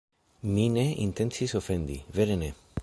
“Mi ne intencis ofendi, vere ne!”